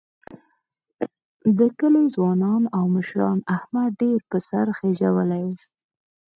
د کلي ځوانانو او مشرانو احمد ډېر په سر خېجولی